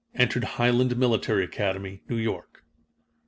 Entered Highland Military Academy, New York.